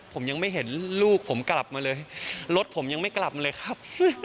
ผมยังไม่เห็นลูกผมกลับมาเลยรถผมยังไม่กลับมาเลยครับ